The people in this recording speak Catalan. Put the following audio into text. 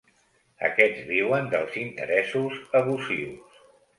Aquests viuen dels interessos abusius.